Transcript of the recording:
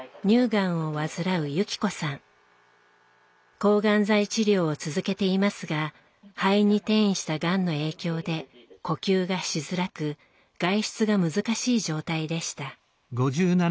抗がん剤治療を続けていますが肺に転移したがんの影響で呼吸がしづらく外出が難しい状態でした。